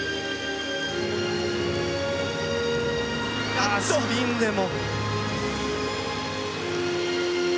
あっスピンでも。